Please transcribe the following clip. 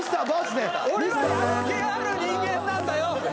俺はやる気がある人間なんだよ！